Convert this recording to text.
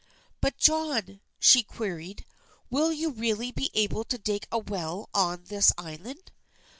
"But, John," she queried, "will you really be able to dig a well on this island?"